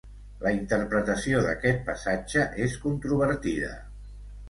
La interpretació d'aquest passatge és controvertida.